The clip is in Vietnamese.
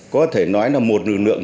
có thể nói là một lực lượng